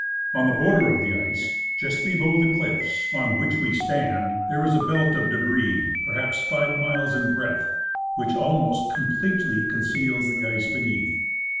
On the border of the ice, just beloAV the cliffs on Avhich Ave Gardens on the Glaciers. 119 stand, there is a belt of debris perhaps five miles in breadth, which almost completely conceals the ice beneath.